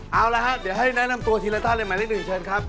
เอาละครับเดี๋ยวให้แนะนำตัวทีละท่านเลยหมายเลขหนึ่งเชิญครับ